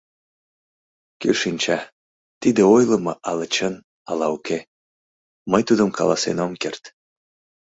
Кӧ шинча, тиде ойлымо ала чын, ала уке — мый тудым каласен ом керт.